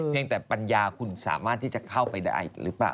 ยังแต่ปัญญาคุณสามารถที่จะเข้าไปได้หรือเปล่า